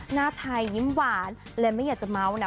หน้าไทยยิ้มหวานเลยไม่อยากจะเมาส์นะ